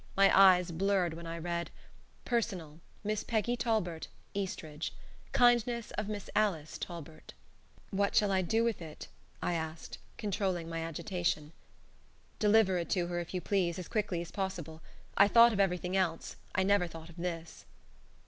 My eyes blurred when I read: "Personal. Miss Peggy Talbert, Eastridge. (Kindness of Miss Alice Talbert.)" "What shall I do with it?" I asked, controlling my agitation. "Deliver it to her, if you please, as quickly as possible. I thought of everything else. I never thought of this."